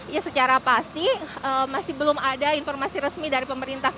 ya secara pasti masih belum ada informasi resmi dari pemerintah